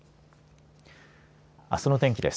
あすの天気です。